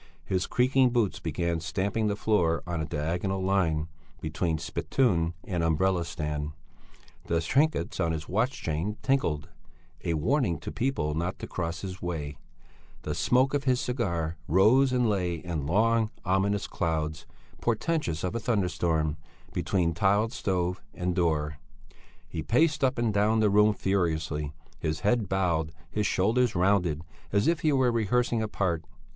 His creaking boots began stamping the floor on a diagonal line between spittoon and umbrella stand; the trinkets on his watch chain tinkled, a warning to people not to cross his way; the smoke of his cigar rose and lay in long, ominous clouds, portentous of a thunderstorm, between tiled stove and door. He paced up and down the room furiously, his head bowed, his shoulders rounded, as if he were rehearsing a part.